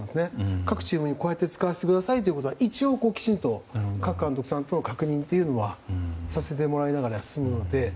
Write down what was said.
各チームに、こうやって使わせてくださいと各監督さんと確認というのはさせてもらいながらするので。